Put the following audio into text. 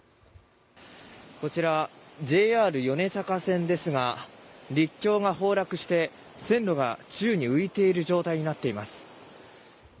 こちら、ＪＲ米坂線ですが陸橋が崩落して線路が宙に浮いている状態になっています。